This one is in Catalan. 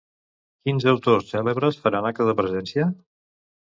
Quins autors cèlebres faran acte de presència?